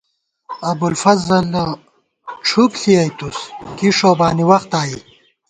ابُوالفضلہ ڄُھپ ݪِیَئیتُوس، کی ݭوبانی وخت آئی